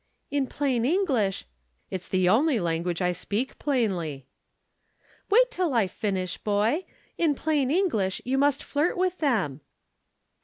"In plain English " "It's the only language I speak plainly." "Wait till I finish, boy! In plain English, you must flirt with them."